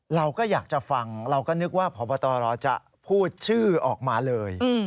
เราก็อยากจะฟังเราก็นึกว่าพบตรจะพูดชื่อออกมาเลย